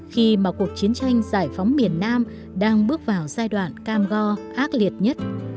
khi mà cuộc chiến tranh giải phóng miền nam đang bước vào giai đoạn cam go ác liệt nhất